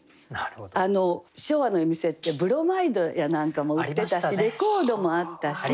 昭和の夜店ってブロマイドやなんかも売ってたしレコードもあったし。